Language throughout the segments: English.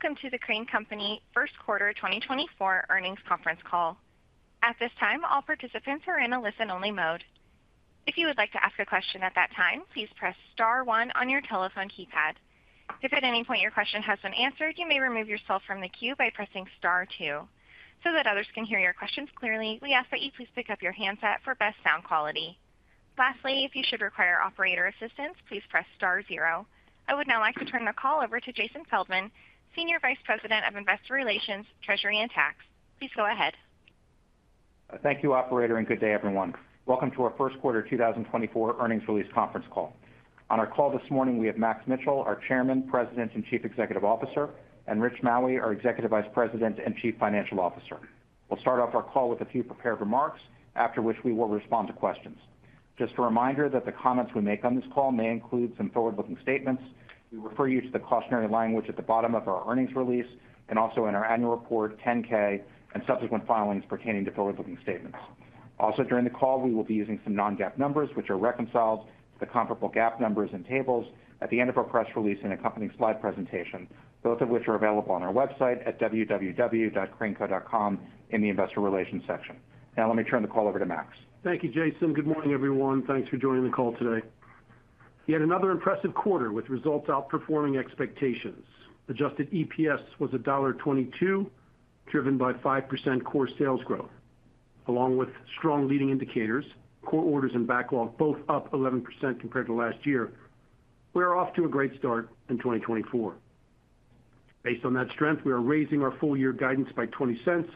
Welcome to the Crane Company first quarter 2024 earnings conference call. At this time, all participants are in a listen-only mode. If you would like to ask a question at that time, please press star one on your telephone keypad. If at any point your question has been answered, you may remove yourself from the queue by pressing star two. So that others can hear your questions clearly, we ask that you please pick up your handset for best sound quality. Lastly, if you should require operator assistance, please press star zero. I would now like to turn the call over to Jason Feldman, Senior Vice President of Investor Relations, Treasury and Tax. Please go ahead. Thank you, Operator, and good day, everyone. Welcome to our first quarter 2024 earnings release conference call. On our call this morning, we have Max Mitchell, our Chairman, President, and Chief Executive Officer, and Rich Maue, our Executive Vice President and Chief Financial Officer. We'll start off our call with a few prepared remarks, after which we will respond to questions. Just a reminder that the comments we make on this call may include some forward-looking statements. We refer you to the cautionary language at the bottom of our earnings release and also in our annual report, 10-K, and subsequent filings pertaining to forward-looking statements. Also, during the call, we will be using some non-GAAP numbers, which are reconciled to the comparable GAAP numbers and tables, at the end of our press release and accompanying slide presentation, both of which are available on our website at www.craneco.com in the Investor Relations section. Now, let me turn the call over to Max. Thank you, Jason. Good morning, everyone. Thanks for joining the call today. Yet another impressive quarter with results outperforming expectations. Adjusted EPS was $1.22, driven by 5% core sales growth, along with strong leading indicators, core orders, and backlog, both up 11% compared to last year. We are off to a great start in 2024. Based on that strength, we are raising our full-year guidance by $0.20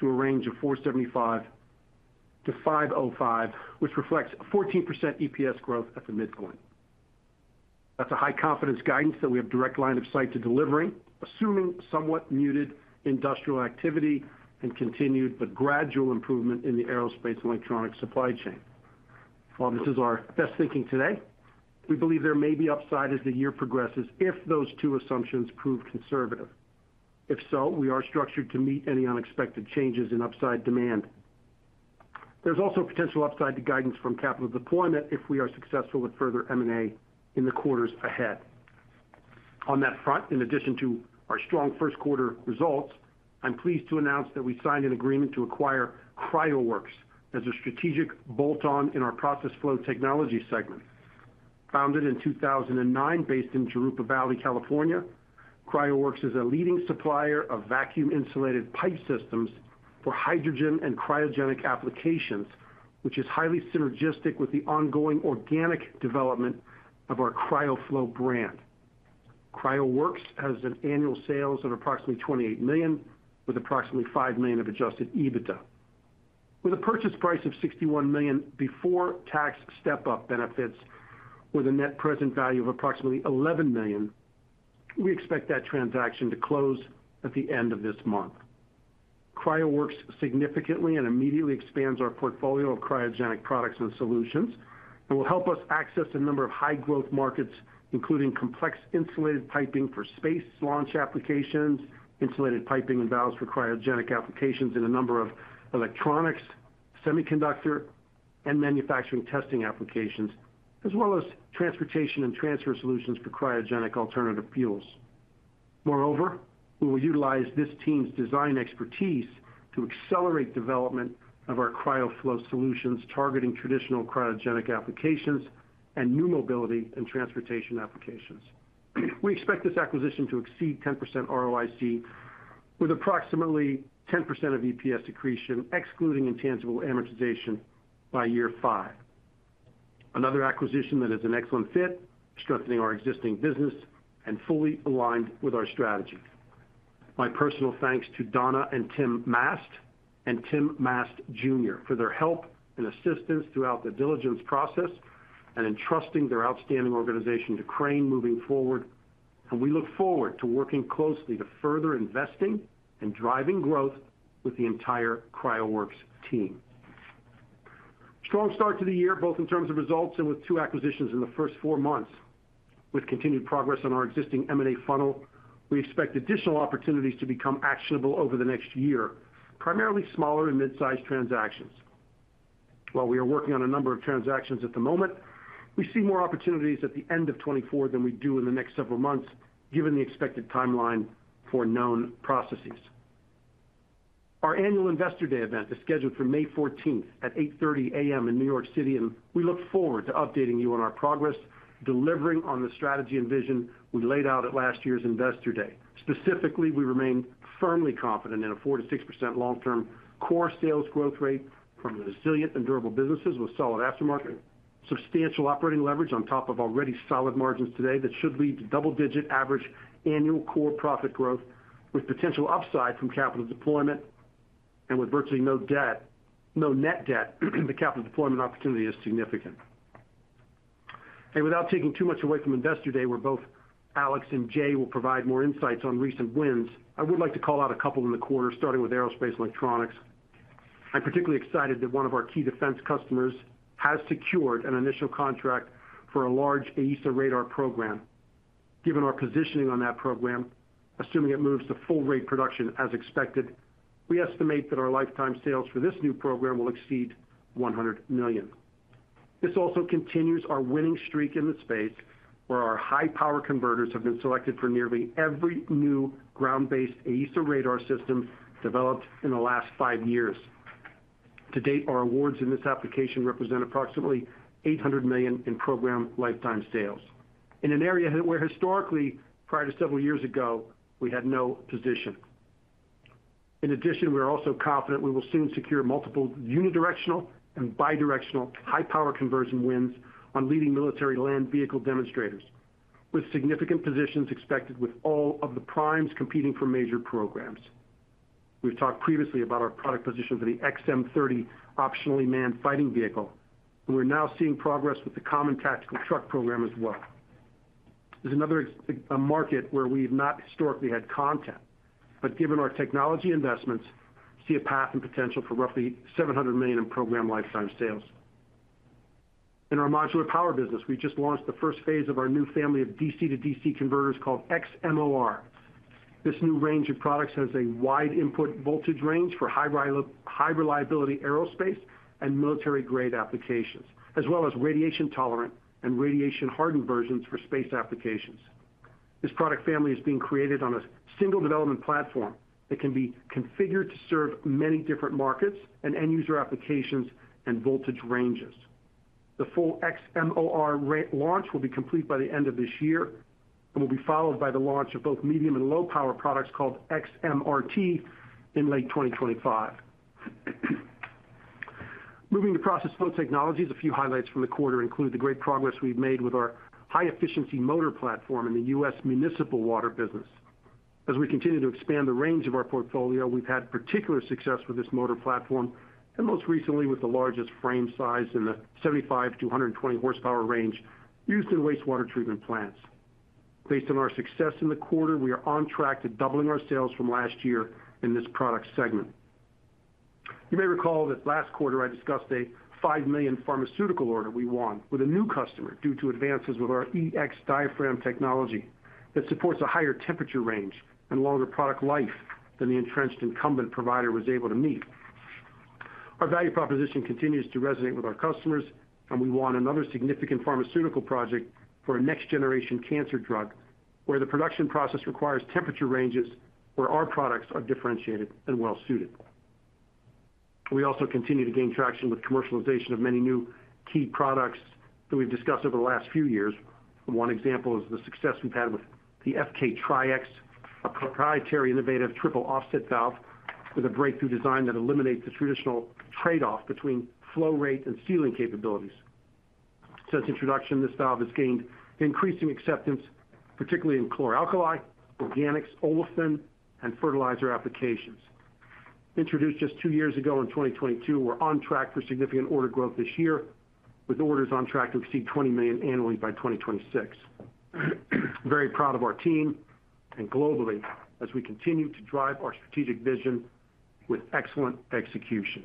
to a range of $4.75-$5.05, which reflects 14% EPS growth at the midpoint. That's a high-confidence guidance that we have direct line of sight to delivering, assuming somewhat muted industrial activity and continued but gradual improvement in the Aerospace and Electronics supply chain. While this is our best thinking today, we believe there may be upside as the year progresses if those two assumptions prove conservative. If so, we are structured to meet any unexpected changes in upside demand. There's also potential upside to guidance from capital deployment if we are successful with further M&A in the quarters ahead. On that front, in addition to our strong first quarter results, I'm pleased to announce that we signed an agreement to acquire CryoWorks as a strategic bolt-on in our Process Flow Technologies segment. Founded in 2009 based in Jurupa Valley, California, CryoWorks is a leading supplier of vacuum-insulated pipe systems for hydrogen and cryogenic applications, which is highly synergistic with the ongoing organic development of our CryoFlo brand. CryoWorks has annual sales of approximately $28 million, with approximately $5 million of Adjusted EBITDA. With a purchase price of $61 million before tax step-up benefits, with a net present value of approximately $11 million, we expect that transaction to close at the end of this month. CryoWorks significantly and immediately expands our portfolio of cryogenic products and solutions and will help us access a number of high-growth markets, including complex insulated piping for space launch applications, insulated piping and valves for cryogenic applications, and a number of electronics, semiconductor, and manufacturing testing applications, as well as transportation and transfer solutions for cryogenic alternative fuels. Moreover, we will utilize this team's design expertise to accelerate development of our CryoFlo solutions targeting traditional cryogenic applications and new mobility and transportation applications. We expect this acquisition to exceed 10% ROIC, with approximately 10% of EPS accretion excluding intangible amortization by year five. Another acquisition that is an excellent fit, strengthening our existing business and fully aligned with our strategy. My personal thanks to Donna and Tim Mast and Tim Mast Jr. for their help and assistance throughout the diligence process and entrusting their outstanding organization to Crane moving forward, and we look forward to working closely to further investing and driving growth with the entire CryoWorks team. Strong start to the year, both in terms of results and with two acquisitions in the first four months. With continued progress on our existing M&A funnel, we expect additional opportunities to become actionable over the next year, primarily smaller and midsize transactions. While we are working on a number of transactions at the moment, we see more opportunities at the end of 2024 than we do in the next several months, given the expected timeline for known processes. Our annual Investor Day event is scheduled for May 14th at 8:30 A.M. in New York City, and we look forward to updating you on our progress delivering on the strategy and vision we laid out at last year's Investor Day. Specifically, we remain firmly confident in a 4%-6% long-term core sales growth rate from resilient and durable businesses with solid aftermarket, substantial operating leverage on top of already solid margins today that should lead to double-digit average annual core profit growth, with potential upside from capital deployment, and with virtually no net debt, the capital deployment opportunity is significant. Without taking too much away from Investor Day, where both Alex and Jay will provide more insights on recent wins, I would like to call out a couple in the quarter, starting with Aerospace and Electronics. I'm particularly excited that one of our key defense customers has secured an initial contract for a large AESA radar program. Given our positioning on that program, assuming it moves to full-rate production as expected, we estimate that our lifetime sales for this new program will exceed $100 million. This also continues our winning streak in the space, where our high-power converters have been selected for nearly every new ground-based AESA radar system developed in the last five years. To date, our awards in this application represent approximately $800 million in program lifetime sales in an area where historically, prior to several years ago, we had no position. In addition, we are also confident we will soon secure multiple unidirectional and bidirectional high-power conversion wins on leading military land vehicle demonstrators, with significant positions expected with all of the primes competing for major programs. We've talked previously about our product position for the XM30 Optionally Manned Fighting Vehicle, and we're now seeing progress with the Common Tactical Truck program as well. This is another market where we have not historically had content, but given our technology investments, we see a path and potential for roughly $700 million in program lifetime sales. In our modular power business, we just launched the first phase of our new family of DC to DC converters called xMOR. This new range of products has a wide input voltage range for high-reliability aerospace and military-grade applications, as well as radiation-tolerant and radiation-hardened versions for space applications. This product family is being created on a single development platform that can be configured to serve many different markets and end-user applications and voltage ranges. The full xMOR launch will be complete by the end of this year and will be followed by the launch of both medium and low-power products called xMRT in late 2025. Moving to Process Flow Technologies, a few highlights from the quarter include the great progress we've made with our high-efficiency motor platform in the U.S. municipal water business. As we continue to expand the range of our portfolio, we've had particular success with this motor platform and most recently with the largest frame size in the 75-120 horsepower range used in wastewater treatment plants. Based on our success in the quarter, we are on track to doubling our sales from last year in this product segment. You may recall that last quarter I discussed a $5 million pharmaceutical order we won with a new customer due to advances with our EX diaphragm technology that supports a higher temperature range and longer product life than the entrenched incumbent provider was able to meet. Our value proposition continues to resonate with our customers, and we won another significant pharmaceutical project for a next-generation cancer drug where the production process requires temperature ranges where our products are differentiated and well-suited. We also continue to gain traction with commercialization of many new key products that we've discussed over the last few years. One example is the success we've had with the FK-TrieX, a proprietary innovative triple offset valve with a breakthrough design that eliminates the traditional trade-off between flow rate and sealing capabilities. Since introduction, this valve has gained increasing acceptance, particularly in chlor-alkali, organics, olefin, and fertilizer applications. Introduced just two years ago in 2022, we're on track for significant order growth this year, with orders on track to exceed $20 million annually by 2026. Very proud of our team and globally as we continue to drive our strategic vision with excellent execution.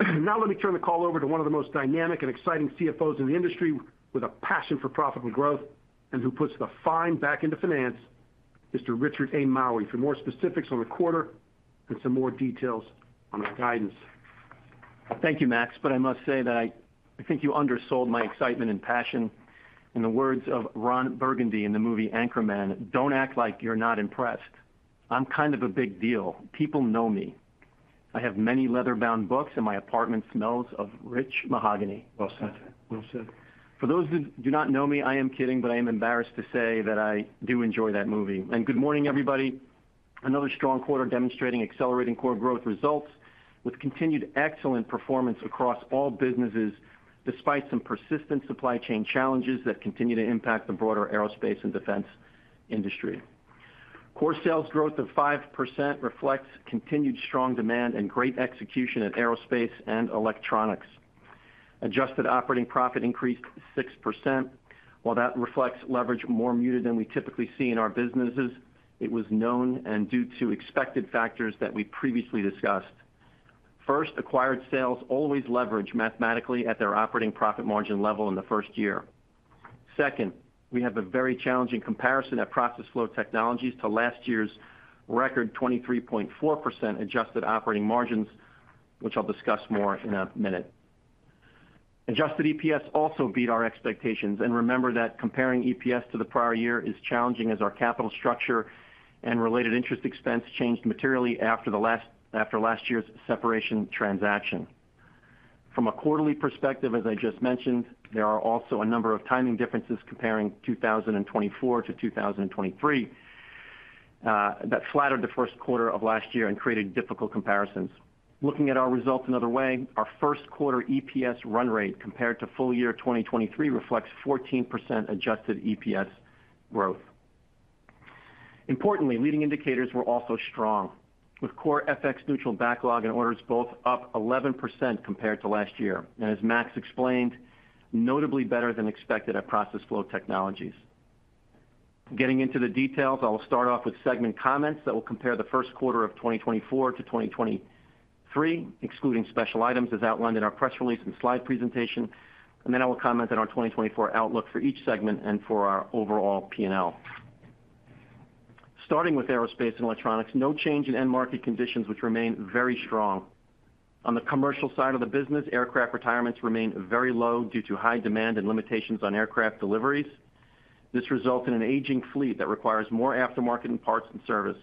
Now, let me turn the call over to one of the most dynamic and exciting CFOs in the industry with a passion for profitable growth and who puts the fine back into finance, Mr. Richard A. Maue, for more specifics on the quarter and some more details on our guidance. Thank you, Max, but I must say that I think you undersold my excitement and passion. In the words of Ron Burgundy in the movie Anchorman, "Don't act like you're not impressed. I'm kind of a big deal. People know me. I have many leather-bound books and my apartment smells of rich mahogany. Well said. For those who do not know me, I am kidding, but I am embarrassed to say that I do enjoy that movie. Good morning, everybody. Another strong quarter demonstrating accelerating core growth results with continued excellent performance across all businesses despite some persistent supply chain challenges that continue to impact the broader aerospace and defense industry. Core sales growth of 5% reflects continued strong demand and great execution at Aerospace and Electronics. Adjusted operating profit increased 6%. While that reflects leverage more muted than we typically see in our businesses, it was known and due to expected factors that we previously discussed. First, acquired sales always leverage mathematically at their operating profit margin level in the first year. Second, we have a very challenging comparison at Process Flow Technologies to last year's record 23.4% adjusted operating margins, which I'll discuss more in a minute. Adjusted EPS also beat our expectations, and remember that comparing EPS to the prior year is challenging as our capital structure and related interest expense changed materially after last year's separation transaction. From a quarterly perspective, as I just mentioned, there are also a number of timing differences comparing 2024 to 2023 that flattered the first quarter of last year and created difficult comparisons. Looking at our results another way, our first quarter EPS run rate compared to full year 2023 reflects 14% adjusted EPS growth. Importantly, leading indicators were also strong, with core FX neutral backlog and orders both up 11% compared to last year. And as Max explained, notably better than expected at Process Flow Technologies. Getting into the details, I will start off with segment comments that will compare the first quarter of 2024 to 2023, excluding special items as outlined in our press release and slide presentation. Then I will comment on our 2024 outlook for each segment and for our overall P&L. Starting with Aerospace and Electronics, no change in end-market conditions, which remain very strong. On the commercial side of the business, aircraft retirements remain very low due to high demand and limitations on aircraft deliveries. This results in an aging fleet that requires more aftermarket and parts and service.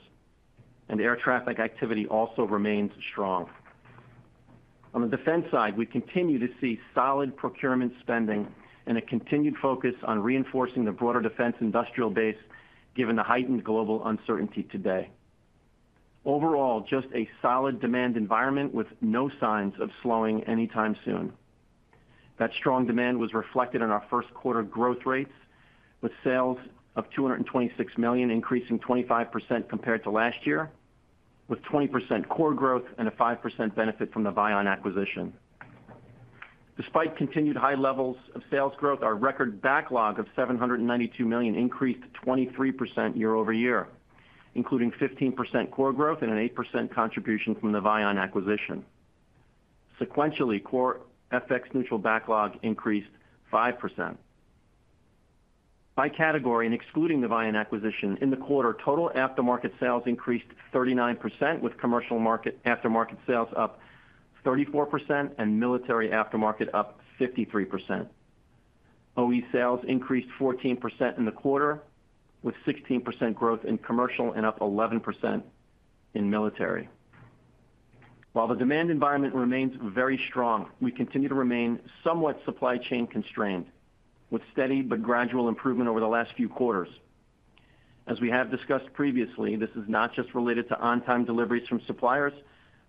Air traffic activity also remains strong. On the defense side, we continue to see solid procurement spending and a continued focus on reinforcing the broader defense industrial base given the heightened global uncertainty today. Overall, just a solid demand environment with no signs of slowing anytime soon. That strong demand was reflected in our first quarter growth rates, with sales of $226 million increasing 25% compared to last year, with 20% core growth and a 5% benefit from the Vian acquisition. Despite continued high levels of sales growth, our record backlog of $792 million increased 23% year-over-year, including 15% core growth and an 8% contribution from the Vian acquisition. Sequentially, core FX neutral backlog increased 5%. By category and excluding the Vian acquisition, in the quarter, total aftermarket sales increased 39%, with commercial aftermarket sales up 34% and military aftermarket up 53%. OE sales increased 14% in the quarter, with 16% growth in commercial and up 11% in military. While the demand environment remains very strong, we continue to remain somewhat supply chain constrained, with steady but gradual improvement over the last few quarters. As we have discussed previously, this is not just related to on-time deliveries from suppliers,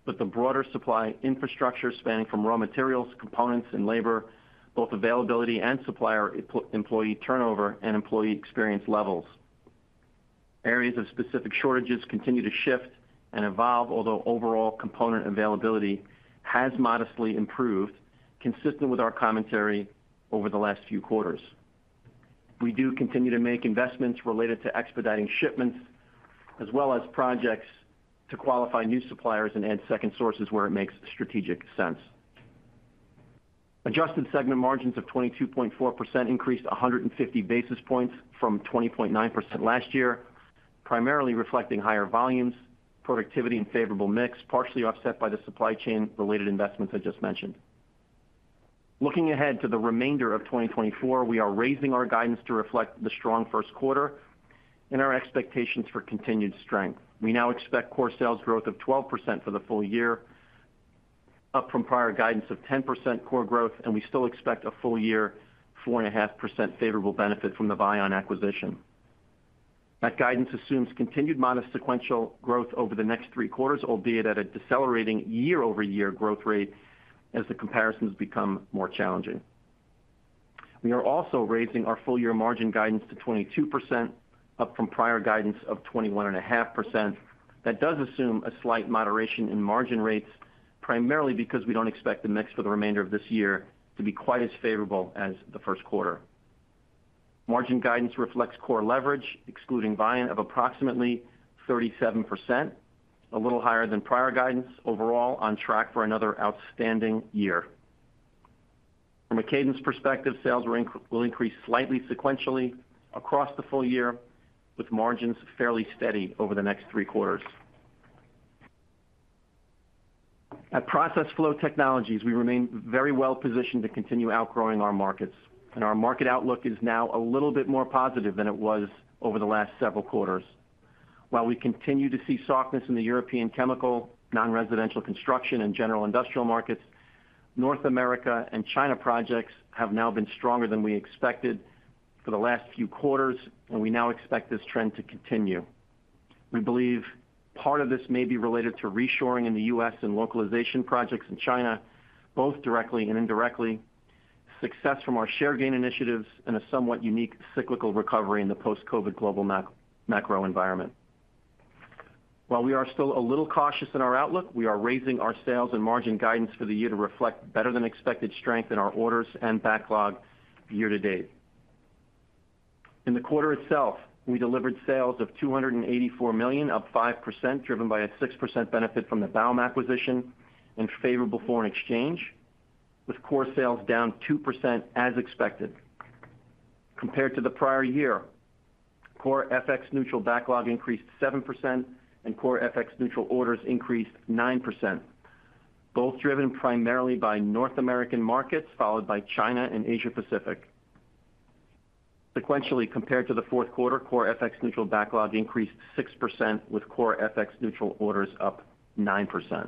but the broader supply infrastructure spanning from raw materials, components, and labor, both availability and supplier employee turnover and employee experience levels. Areas of specific shortages continue to shift and evolve, although overall component availability has modestly improved, consistent with our commentary over the last few quarters. We do continue to make investments related to expediting shipments as well as projects to qualify new suppliers and add second sources where it makes strategic sense. Adjusted segment margins of 22.4% increased 150 basis points from 20.9% last year, primarily reflecting higher volumes, productivity, and favorable mix, partially offset by the supply chain-related investments I just mentioned. Looking ahead to the remainder of 2024, we are raising our guidance to reflect the strong first quarter and our expectations for continued strength. We now expect core sales growth of 12% for the full year, up from prior guidance of 10% core growth, and we still expect a full year 4.5% favorable benefit from the Vian acquisition. That guidance assumes continued modest sequential growth over the next three quarters, albeit at a decelerating year-over-year growth rate as the comparisons become more challenging. We are also raising our full-year margin guidance to 22%, up from prior guidance of 21.5%. That does assume a slight moderation in margin rates, primarily because we don't expect the mix for the remainder of this year to be quite as favorable as the first quarter. Margin guidance reflects core leverage, excluding Vian, of approximately 37%, a little higher than prior guidance, overall on track for another outstanding year. From a cadence perspective, sales will increase slightly sequentially across the full year, with margins fairly steady over the next three quarters. At Process Flow Technologies, we remain very well positioned to continue outgrowing our markets, and our market outlook is now a little bit more positive than it was over the last several quarters. While we continue to see softness in the European chemical, non-residential construction, and general industrial markets, North America and China projects have now been stronger than we expected for the last few quarters, and we now expect this trend to continue. We believe part of this may be related to reshoring in the U.S. and localization projects in China, both directly and indirectly, success from our share gain initiatives, and a somewhat unique cyclical recovery in the post-COVID global macro environment. While we are still a little cautious in our outlook, we are raising our sales and margin guidance for the year to reflect better than expected strength in our orders and backlog year to date. In the quarter itself, we delivered sales of $284 million, up 5%, driven by a 6% benefit from the Baum acquisition and favorable foreign exchange, with core sales down 2% as expected. Compared to the prior year, core FX neutral backlog increased 7% and core FX neutral orders increased 9%, both driven primarily by North American markets, followed by China and Asia-Pacific. Sequentially, compared to the fourth quarter, core FX neutral backlog increased 6%, with core FX neutral orders up 9%.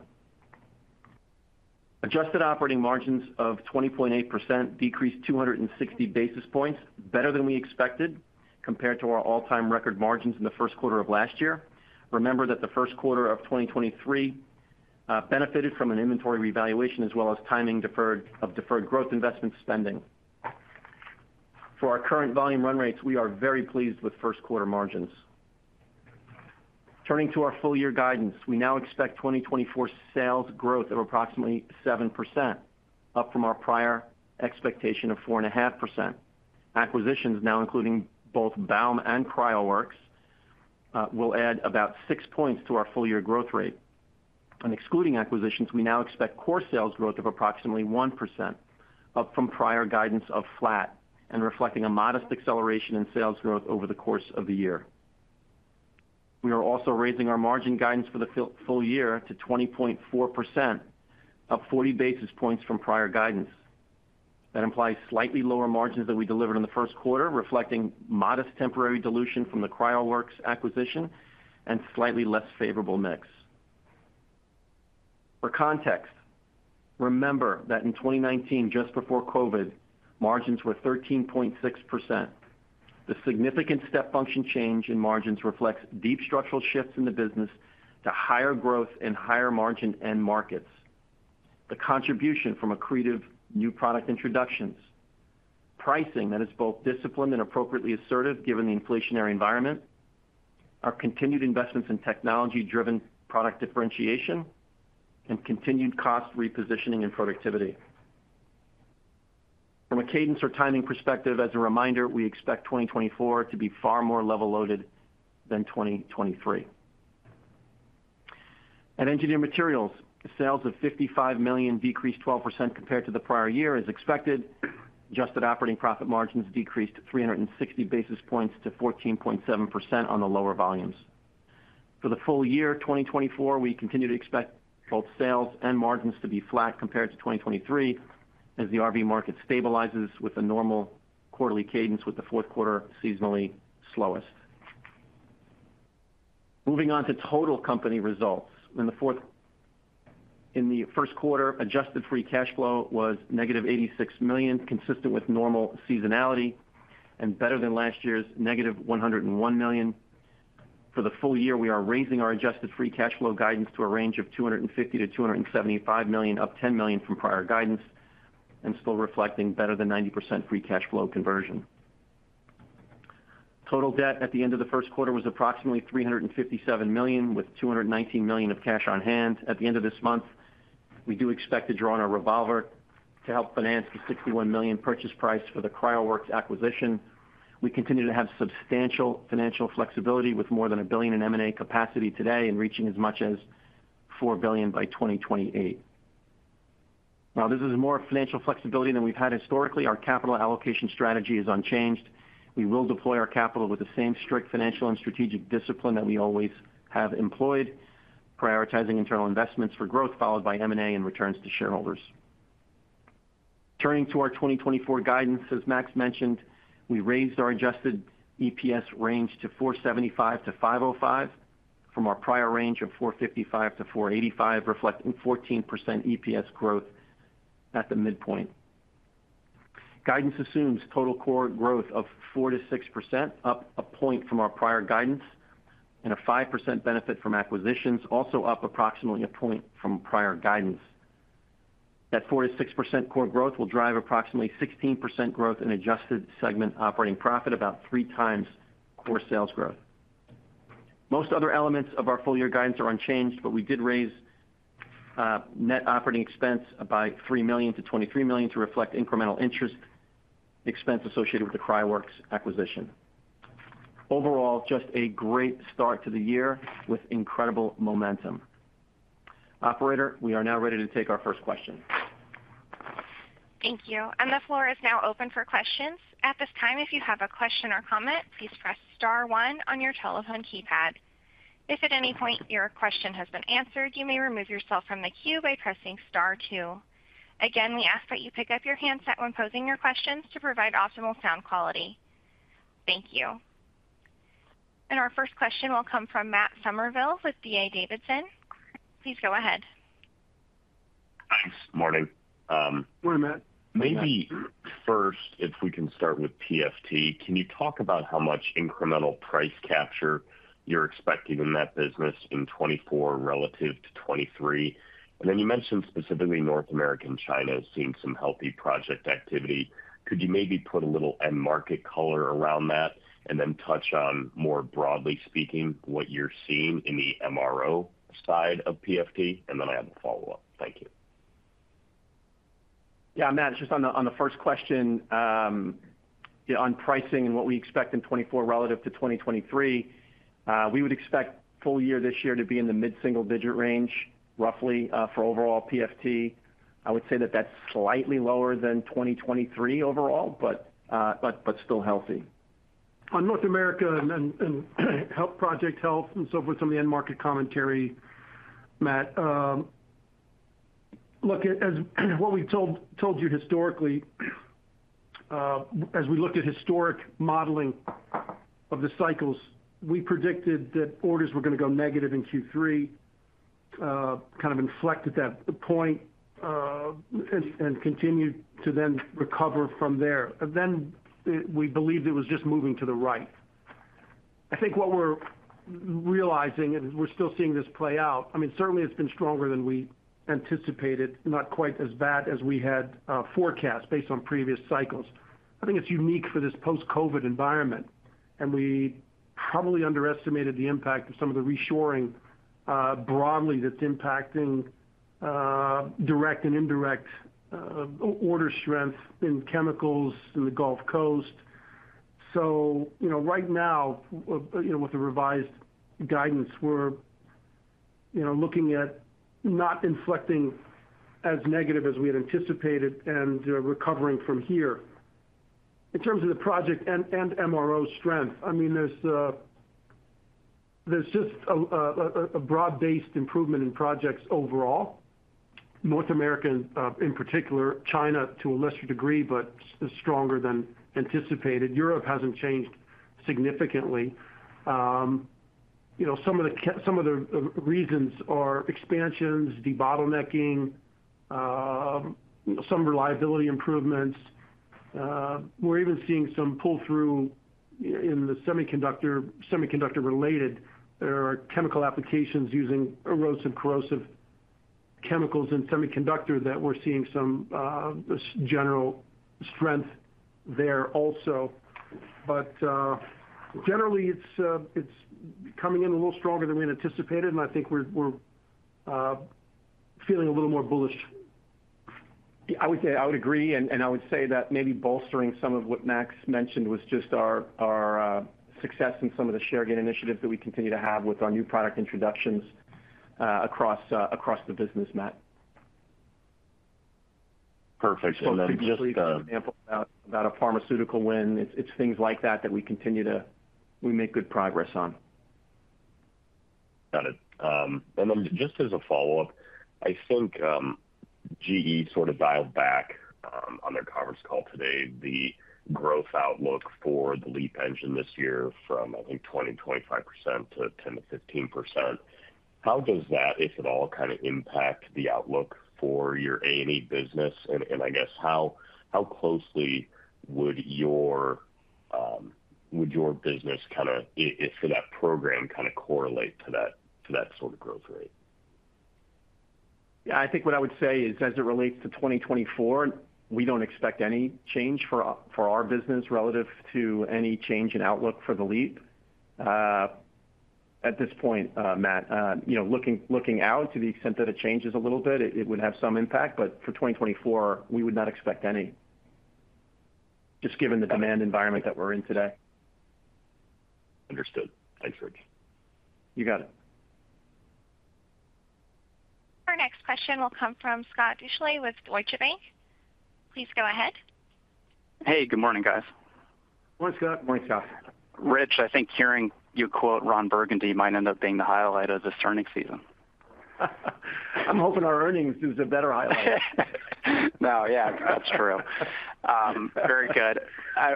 Adjusted operating margins of 20.8% decreased 260 basis points, better than we expected compared to our all-time record margins in the first quarter of last year. Remember that the first quarter of 2023 benefited from an inventory revaluation as well as timing of deferred growth investment spending. For our current volume run rates, we are very pleased with first quarter margins. Turning to our full-year guidance, we now expect 2024 sales growth of approximately 7%, up from our prior expectation of 4.5%. Acquisitions, now including both Baum and CryoWorks, will add about six points to our full-year growth rate. And excluding acquisitions, we now expect core sales growth of approximately 1%, up from prior guidance of flat and reflecting a modest acceleration in sales growth over the course of the year. We are also raising our margin guidance for the full year to 20.4%, up 40 basis points from prior guidance. That implies slightly lower margins than we delivered in the first quarter, reflecting modest temporary dilution from the CryoWorks acquisition and slightly less favorable mix. For context, remember that in 2019, just before COVID, margins were 13.6%. The significant step function change in margins reflects deep structural shifts in the business to higher growth and higher margin end markets. The contribution from accretive new product introductions, pricing that is both disciplined and appropriately assertive given the inflationary environment, our continued investments in technology-driven product differentiation, and continued cost repositioning and productivity. From a cadence or timing perspective, as a reminder, we expect 2024 to be far more level-loaded than 2023. At Engineered Materials, sales of $55 million decreased 12% compared to the prior year as expected. Adjusted operating profit margins decreased 360 basis points to 14.7% on the lower volumes. For the full year 2024, we continue to expect both sales and margins to be flat compared to 2023 as the RV market stabilizes with a normal quarterly cadence, with the fourth quarter seasonally slowest. Moving on to total company results. In the first quarter, adjusted free cash flow was -$86 million, consistent with normal seasonality and better than last year's -$101 million. For the full year, we are raising our adjusted free cash flow guidance to a range of $250 million-$275 million, up $10 million from prior guidance and still reflecting better than 90% free cash flow conversion. Total debt at the end of the first quarter was approximately $357 million, with $219 million of cash on hand. At the end of this month, we do expect to draw on a revolver to help finance the $61 million purchase price for the CryoWorks acquisition. We continue to have substantial financial flexibility, with more than $1 billion in M&A capacity today and reaching as much as $4 billion by 2028. Now, this is more financial flexibility than we've had historically. Our capital allocation strategy is unchanged. We will deploy our capital with the same strict financial and strategic discipline that we always have employed, prioritizing internal investments for growth, followed by M&A and returns to shareholders. Turning to our 2024 guidance, as Max mentioned, we raised our adjusted EPS range to 475-505 from our prior range of 455-485, reflecting 14% EPS growth at the midpoint. Guidance assumes total core growth of 4%-6%, up a point from our prior guidance, and a 5% benefit from acquisitions, also up approximately a point from prior guidance. That 4%-6% core growth will drive approximately 16% growth in adjusted segment operating profit, about three times core sales growth. Most other elements of our full-year guidance are unchanged, but we did raise net operating expense by $3 million to $23 million to reflect incremental interest expense associated with the CryoWorks acquisition. Overall, just a great start to the year with incredible momentum. Operator, we are now ready to take our first question. Thank you. The floor is now open for questions. At this time, if you have a question or comment, please press star one on your telephone keypad. If at any point your question has been answered, you may remove yourself from the queue by pressing star two. Again, we ask that you pick up your handset when posing your questions to provide optimal sound quality. Thank you. Our first question will come from Matt Summerville with D.A. Davidson. Please go ahead. Thanks. Morning. Morning, Matt. Maybe first, if we can start with PFT, can you talk about how much incremental price capture you're expecting in that business in 2024 relative to 2023? And then you mentioned specifically North America and China seeing some healthy project activity. Could you maybe put a little end market color around that and then touch on, more broadly speaking, what you're seeing in the MRO side of PFT? And then I have a follow-up. Thank you. Yeah, Matt, just on the first question, on pricing and what we expect in 2024 relative to 2023, we would expect full year this year to be in the mid-single digit range, roughly, for overall PFT. I would say that that's slightly lower than 2023 overall, but still healthy. On North America and project health and so forth, some of the end market commentary, Matt, look, what we've told you historically, as we looked at historic modeling of the cycles, we predicted that orders were going to go negative in Q3, kind of inflect at that point, and continue to then recover from there. Then we believed it was just moving to the right. I think what we're realizing, and we're still seeing this play out, I mean, certainly it's been stronger than we anticipated, not quite as bad as we had forecast based on previous cycles. I think it's unique for this post-COVID environment, and we probably underestimated the impact of some of the reshoring broadly that's impacting direct and indirect order strength in chemicals in the Gulf Coast. So right now, with the revised guidance, we're looking at not inflecting as negative as we had anticipated and recovering from here. In terms of the project and MRO strength, I mean, there's just a broad-based improvement in projects overall. North America, in particular, China to a lesser degree, but stronger than anticipated. Europe hasn't changed significantly. Some of the reasons are expansions, debottlenecking, some reliability improvements. We're even seeing some pull-through in the semiconductor-related. There are chemical applications using erosive-corrosive chemicals in semiconductor that we're seeing some general strength there also. But generally, it's coming in a little stronger than we had anticipated, and I think we're feeling a little more bullish. I would agree, and I would say that maybe bolstering some of what Max mentioned was just our success in some of the share gain initiatives that we continue to have with our new product introductions across the business, Matt. Perfect. And then just. It's a complete example about a pharmaceutical win. It's things like that that we continue to make good progress on. Got it. And then just as a follow-up, I think GE sort of dialed back on their conference call today, the growth outlook for the LEAP engine this year from, I think, 20%-25% to 10%-15%. How does that, if at all, kind of impact the outlook for your A&E business? And I guess, how closely would your business kind of for that program kind of correlate to that sort of growth rate? Yeah, I think what I would say is, as it relates to 2024, we don't expect any change for our business relative to any change in outlook for the LEAP. At this point, Matt, looking out to the extent that it changes a little bit, it would have some impact. But for 2024, we would not expect any, just given the demand environment that we're in today. Understood. Thanks, Rich. You got it. Our next question will come from Scott Deuschle with Deutsche Bank. Please go ahead. Hey, good morning, guys. Morning, Scott. Morning, Scott. Rich, I think hearing you quote Ron Burgundy might end up being the highlight of this earnings season. I'm hoping our earnings is a better highlight. No, yeah, that's true. Very good.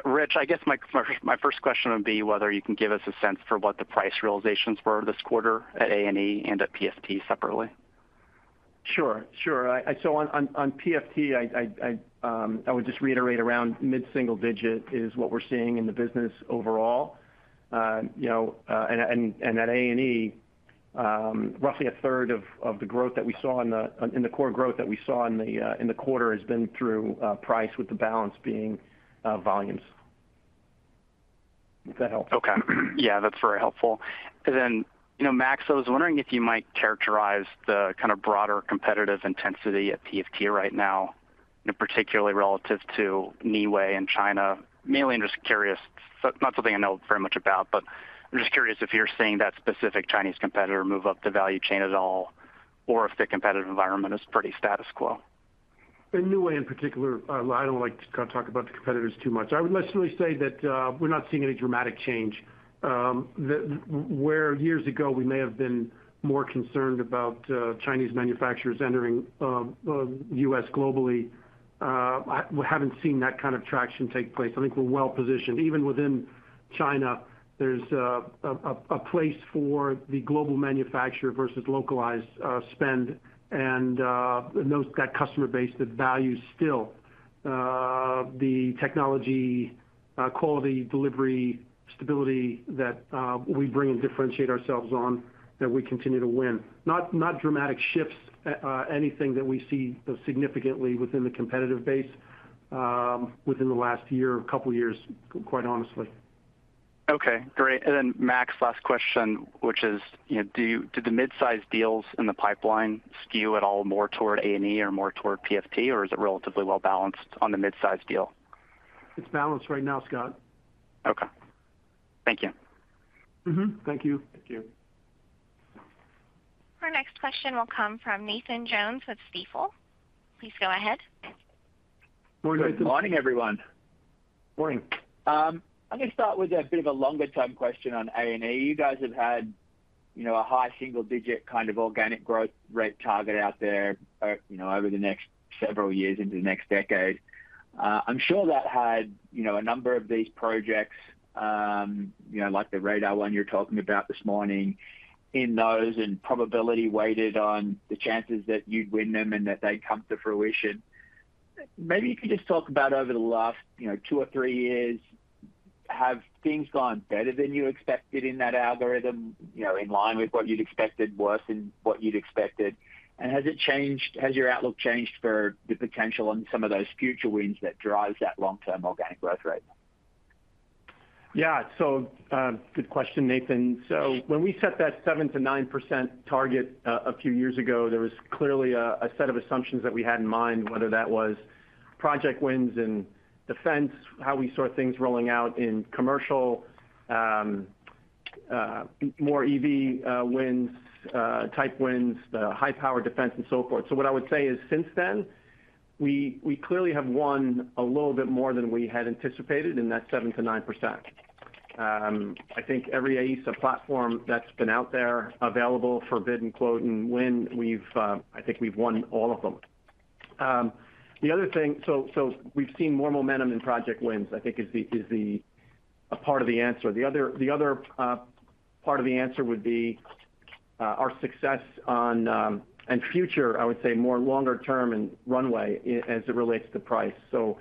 Rich, I guess my first question would be whether you can give us a sense for what the price realizations were this quarter at A&E and at PFT separately. Sure. Sure. So on PFT, I would just reiterate around mid-single digit is what we're seeing in the business overall. And at A&E, roughly a third of the growth that we saw in the core growth that we saw in the quarter has been through price, with the balance being volumes, if that helps. Okay. Yeah, that's very helpful. And then, Max, I was wondering if you might characterize the kind of broader competitive intensity at PFT right now, particularly relative to Neway and China. Mainly I'm just curious, not something I know very much about, but I'm just curious if you're seeing that specific Chinese competitor move up the value chain at all, or if the competitive environment is pretty status quo. In Neway in particular, I don't like to kind of talk about the competitors too much. I would lesserly say that we're not seeing any dramatic change. Where years ago we may have been more concerned about Chinese manufacturers entering the U.S. globally, we haven't seen that kind of traction take place. I think we're well positioned. Even within China, there's a place for the global manufacturer versus localized spend and that customer base that values still the technology quality delivery stability that we bring and differentiate ourselves on, that we continue to win. Not dramatic shifts, anything that we see significantly within the competitive base within the last year, a couple of years, quite honestly. Okay. Great. And then, Max, last question, which is, did the midsize deals in the pipeline skew at all more toward A&E or more toward PFT, or is it relatively well balanced on the midsize deal? It's balanced right now, Scott. Okay. Thank you. Thank you. Thank you. Our next question will come from Nathan Jones with Stifel. Please go ahead. Morning, Nathan. Good morning, everyone. Morning. I'm going to start with a bit of a longer-term question on A&E. You guys have had a high single-digit kind of organic growth rate target out there over the next several years, into the next decade. I'm sure that had a number of these projects, like the radar one you're talking about this morning, in those and probability weighted on the chances that you'd win them and that they'd come to fruition. Maybe you could just talk about over the last 2 or 3 years, have things gone better than you expected in that algorithm, in line with what you'd expected, worse than what you'd expected? And has it changed has your outlook changed for the potential on some of those future wins that drive that long-term organic growth rate? Yeah. So good question, Nathan. So when we set that 7%-9% target a few years ago, there was clearly a set of assumptions that we had in mind, whether that was project wins in defense, how we saw things rolling out in commercial, more EV type wins, the high-power defense, and so forth. So what I would say is, since then, we clearly have won a little bit more than we had anticipated in that 7%-9%. I think every AESA platform that's been out there, available for bid and quote and win, I think we've won all of them. The other thing, so we've seen more momentum in project wins, I think, is a part of the answer. The other part of the answer would be our success on and future, I would say, more longer-term and runway as it relates to price. So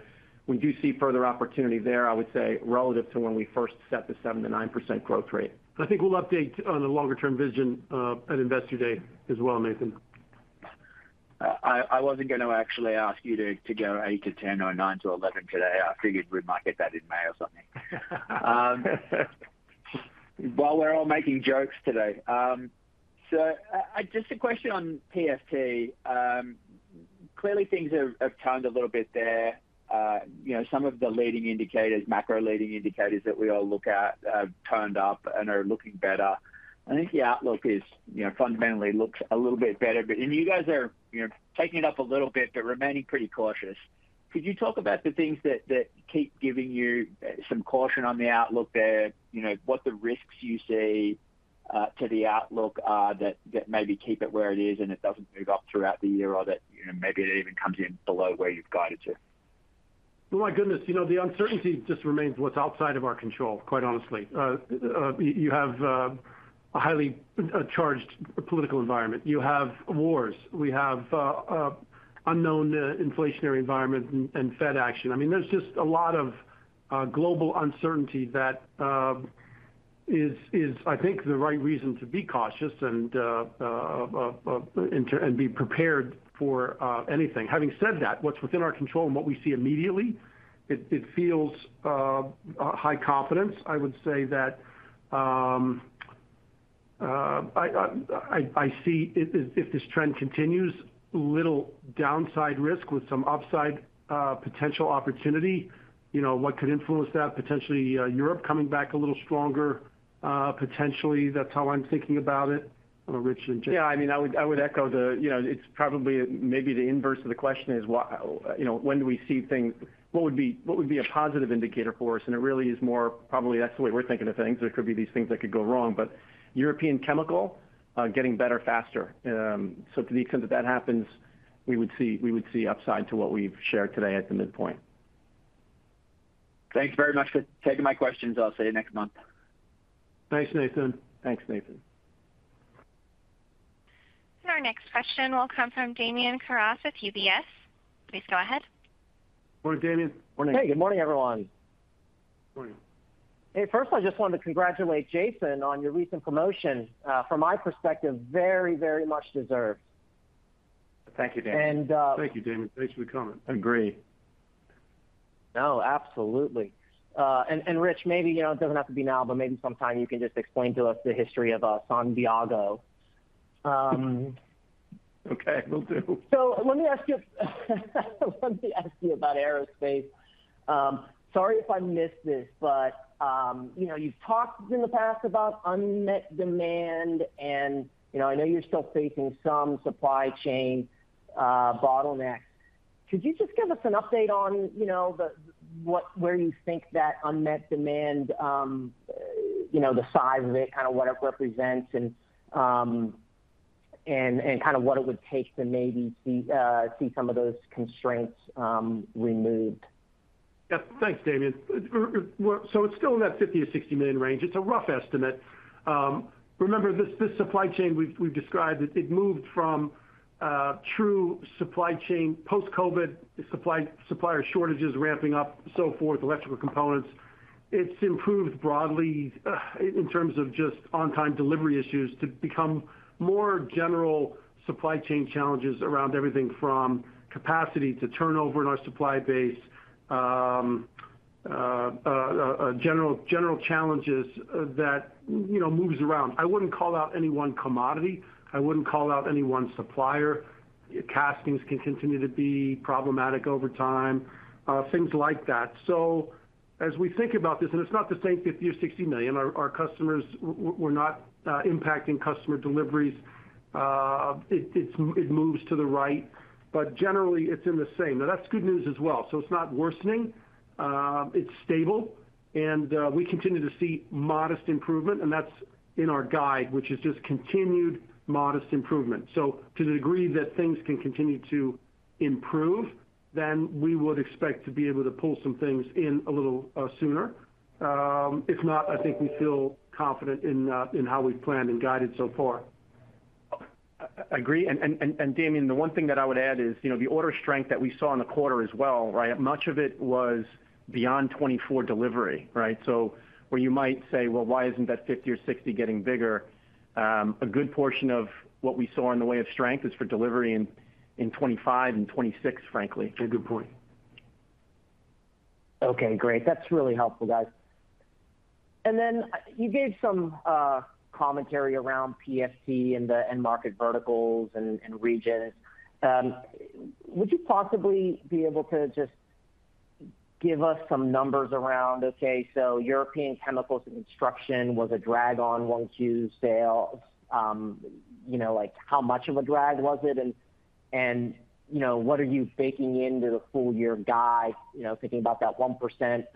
we do see further opportunity there, I would say, relative to when we first set the 7%-9% growth rate. I think we'll update on the longer-term vision at Investor Day as well, Nathan. I wasn't going to actually ask you to go 8-10 or 9-11 today. I figured we might get that in May or something. While we're all making jokes today. So just a question on PFT. Clearly, things have turned a little bit there. Some of the leading indicators, macro-leading indicators that we all look at, have turned up and are looking better. I think the outlook fundamentally looks a little bit better. And you guys are taking it up a little bit but remaining pretty cautious. Could you talk about the things that keep giving you some caution on the outlook there, what the risks you see to the outlook are that maybe keep it where it is and it doesn't move up throughout the year, or that maybe it even comes in below where you've guided to? Oh my goodness. The uncertainty just remains what's outside of our control, quite honestly. You have a highly charged political environment. You have wars. We have unknown inflationary environments and Fed action. I mean, there's just a lot of global uncertainty that is, I think, the right reason to be cautious and be prepared for anything. Having said that, what's within our control and what we see immediately, it feels high confidence. I would say that I see, if this trend continues, little downside risk with some upside potential opportunity. What could influence that? Potentially, Europe coming back a little stronger, potentially. That's how I'm thinking about it. I don't know, Rich, and Jason. Yeah, I mean, I would echo that it's probably maybe the inverse of the question is, when do we see things? What would be a positive indicator for us? And it really is more probably that's the way we're thinking of things. There could be these things that could go wrong. But European chemical getting better, faster. So to the extent that that happens, we would see upside to what we've shared today at the midpoint. Thanks very much for taking my questions. I'll see you next month. Thanks, Nathan. Thanks, Nathan. Our next question will come from Damian Karas with UBS. Please go ahead. Morning, Damian. Hey, good morning, everyone. Morning. Hey, first, I just wanted to congratulate Jason on your recent promotion. From my perspective, very, very much deserved. Thank you, Damian. Thank you, Damian. Thanks for the comment. Agree. No, absolutely. And Rich, maybe it doesn't have to be now, but maybe sometime you can just explain to us the history of San Diego. Okay, will do. So let me ask you about aerospace. Sorry if I missed this, but you've talked in the past about unmet demand, and I know you're still facing some supply chain bottlenecks. Could you just give us an update on where you think that unmet demand, the size of it, kind of what it represents, and kind of what it would take to maybe see some of those constraints removed? Yeah, thanks, Damian. So it's still in that $50 million-$60 million range. It's a rough estimate. Remember, this supply chain we've described, it moved from true supply chain post-COVID, supplier shortages ramping up, so forth, electrical components. It's improved broadly in terms of just on-time delivery issues to become more general supply chain challenges around everything from capacity to turnover in our supply base, general challenges that moves around. I wouldn't call out any one commodity. I wouldn't call out any one supplier. Castings can continue to be problematic over time, things like that. So as we think about this, and it's not the same $50 million or $60 million. Our customers, we're not impacting customer deliveries. It moves to the right, but generally, it's in the same. Now, that's good news as well. So it's not worsening. It's stable. We continue to see modest improvement, and that's in our guide, which is just continued modest improvement. To the degree that things can continue to improve, then we would expect to be able to pull some things in a little sooner. If not, I think we feel confident in how we've planned and guided so far. Agree. And Damian, the one thing that I would add is the order strength that we saw in the quarter as well, right? Much of it was beyond 2024 delivery, right? So where you might say, "Well, why isn't that 50 or 60 getting bigger?" A good portion of what we saw in the way of strength is for delivery in 2025 and 2026, frankly. Yeah, good point. Okay, great. That's really helpful, guys. And then you gave some commentary around PFT and market verticals and regions. Would you possibly be able to just give us some numbers around, "Okay, so European chemicals and construction was a drag on 1Q sales." How much of a drag was it? And what are you baking into the full-year guide, thinking about that 1%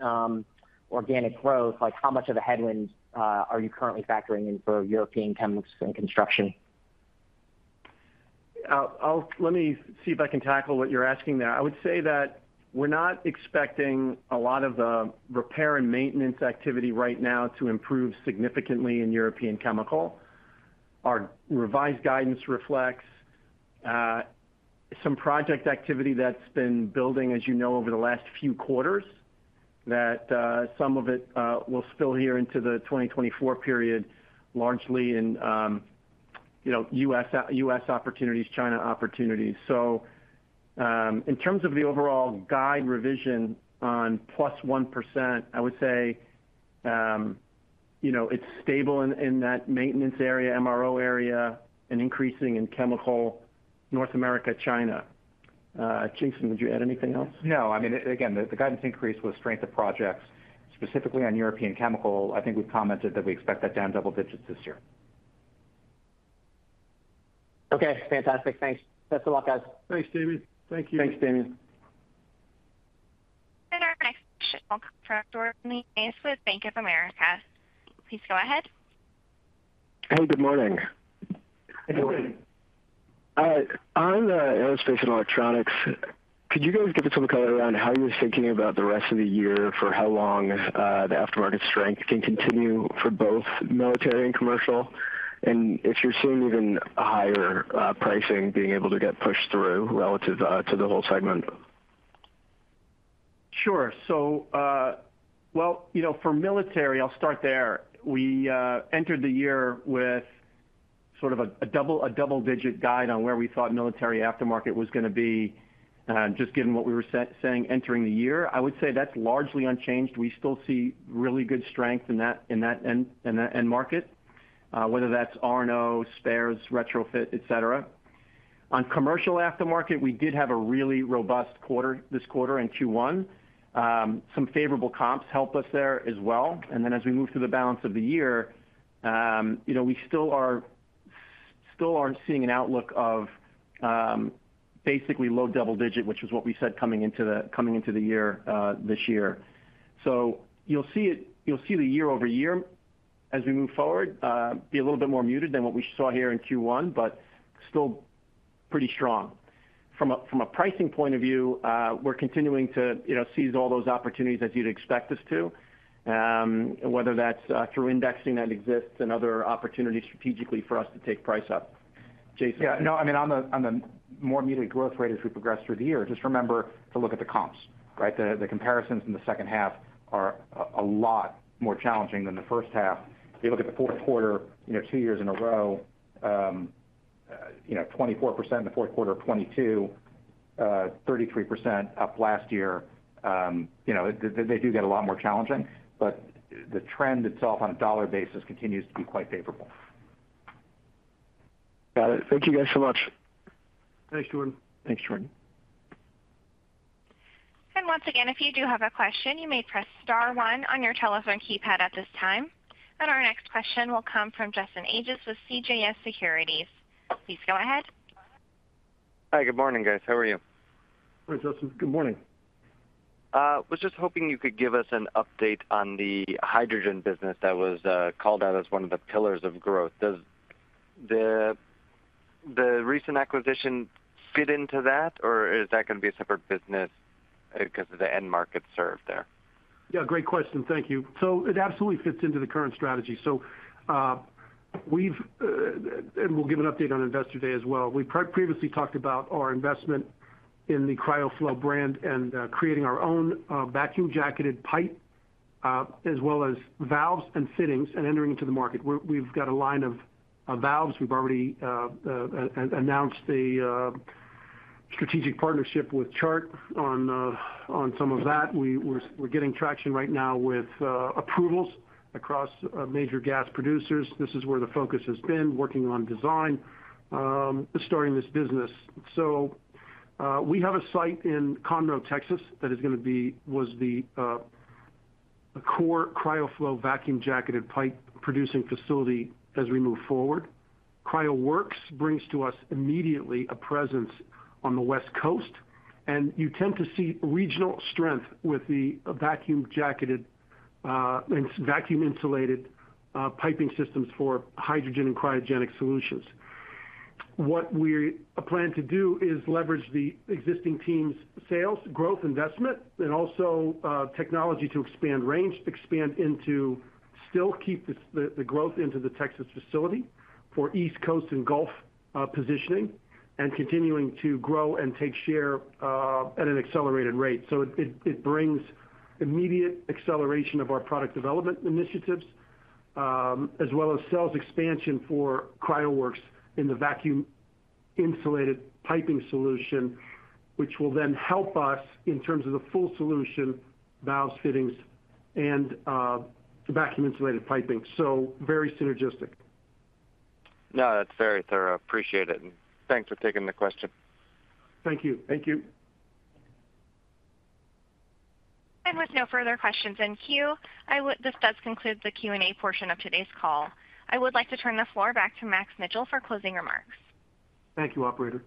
organic growth? How much of a headwind are you currently factoring in for European chemicals and construction? Let me see if I can tackle what you're asking there. I would say that we're not expecting a lot of the repair and maintenance activity right now to improve significantly in European chemical. Our revised guidance reflects some project activity that's been building, as you know, over the last few quarters, that some of it will spill here into the 2024 period, largely in US opportunities, China opportunities. So in terms of the overall guide revision on +1%, I would say it's stable in that maintenance area, MRO area, and increasing in chemical, North America, China. Jason, would you add anything else? No. I mean, again, the guidance increase with strength of projects, specifically on European chemical, I think we've commented that we expect that down double digits this year. Okay. Fantastic. Thanks. Best of luck, guys. Thanks, Damian. Thank you. Thanks, Damian. Our next question will come from Jordan Lyonnais with Bank of America. Please go ahead. Hey, good morning. Good morning. On the Aerospace and Electronics, could you guys give us some color around how you're thinking about the rest of the year for how long the aftermarket strength can continue for both military and commercial, and if you're seeing even higher pricing being able to get pushed through relative to the whole segment? Sure. So well, for military, I'll start there. We entered the year with sort of a double-digit guide on where we thought military aftermarket was going to be, just given what we were saying, entering the year. I would say that's largely unchanged. We still see really good strength in that end market, whether that's R&O, spares, retrofit, etc. On commercial aftermarket, we did have a really robust quarter this quarter in Q1. Some favorable comps helped us there as well. And then as we move through the balance of the year, we still aren't seeing an outlook of basically low double-digit, which is what we said coming into the year this year. So you'll see the year-over-year, as we move forward, be a little bit more muted than what we saw here in Q1, but still pretty strong. From a pricing point of view, we're continuing to seize all those opportunities as you'd expect us to, whether that's through indexing that exists and other opportunities strategically for us to take price up. Jason? Yeah. No, I mean, on the more muted growth rate as we progress through the year, just remember to look at the comps, right? The comparisons in the second half are a lot more challenging than the first half. If you look at the fourth quarter, two years in a row, 24% in the fourth quarter of 2022, 33% up last year, they do get a lot more challenging. But the trend itself on a dollar basis continues to be quite favorable. Got it. Thank you guys so much. Thanks, Jordan. Thanks, Jordan. Once again, if you do have a question, you may press star one on your telephone keypad at this time. Our next question will come from Justin Ages with CJS Securities. Please go ahead. Hi. Good morning, guys. How are you? Hi, Justin. Good morning. I was just hoping you could give us an update on the hydrogen business that was called out as one of the pillars of growth. Does the recent acquisition fit into that, or is that going to be a separate business because of the end market served there? Yeah, great question. Thank you. So it absolutely fits into the current strategy. So we've and we'll give an update on Investor Day as well. We previously talked about our investment in the CryoFlo brand and creating our own vacuum-jacketed pipe as well as valves and fittings and entering into the market. We've got a line of valves. We've already announced the strategic partnership with Chart on some of that. We're getting traction right now with approvals across major gas producers. This is where the focus has been, working on design, starting this business. So we have a site in Conroe, Texas, that is going to be was the core CryoFlo vacuum-jacketed pipe producing facility as we move forward. CryoWorks brings to us immediately a presence on the West Coast. And you tend to see regional strength with the vacuum-jacketed and vacuum-insulated piping systems for hydrogen and cryogenic solutions. What we plan to do is leverage the existing team's sales, growth, investment, and also technology to expand range, expand into still keep the growth into the Texas facility for East Coast and Gulf positioning, and continuing to grow and take share at an accelerated rate. So it brings immediate acceleration of our product development initiatives, as well as sales expansion for CryoWorks in the vacuum-insulated piping solution, which will then help us in terms of the full solution, valves, fittings, and vacuum-insulated piping. So very synergistic. No, that's very thorough. Appreciate it. Thanks for taking the question. Thank you. Thank you. With no further questions in queue, this does conclude the Q&A portion of today's call. I would like to turn the floor back to Max Mitchell for closing remarks. Thank you, operator.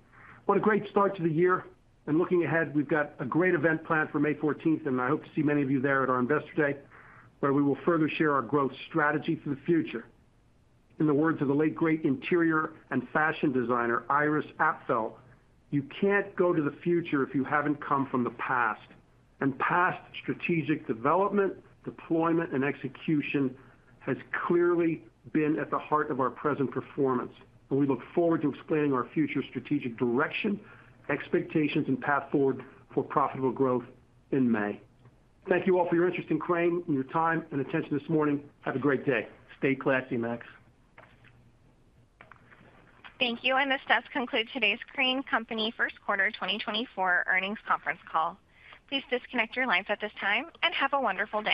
What a great start to the year. And looking ahead, we've got a great event planned for May 14th, and I hope to see many of you there at our Investor Day, where we will further share our growth strategy for the future. In the words of the late great interior and fashion designer, Iris Apfel, "You can't go to the future if you haven't come from the past. And past strategic development, deployment, and execution has clearly been at the heart of our present performance. And we look forward to explaining our future strategic direction, expectations, and path forward for profitable growth in May." Thank you all for your interest in Crane and your time and attention this morning. Have a great day. Stay classy, Max. Thank you. This does conclude today's Crane Company first quarter 2024 earnings conference call. Please disconnect your lines at this time and have a wonderful day.